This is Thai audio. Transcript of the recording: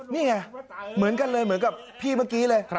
นี่ไงเหมือนกันเลยเหมือนกับพี่เมื่อกี้เลย